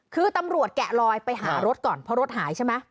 คือตำรวจแกะลอยไปหารถก่อนเพราะรถหายใช่ไหม